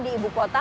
di ibu kota